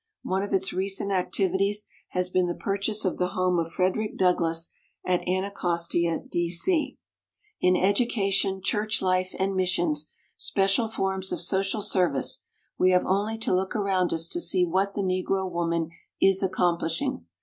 One of its recent activities has been the pur chase of the home of Frederick Douglass at Anacostia, D. C. In education, church life, and missions special forms of social service we have only to look around us to see what the Negro woman is accomplishing.